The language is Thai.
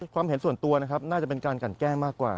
ความเห็นส่วนตัวน่าจะเป็นการกันแก้งมากกว่า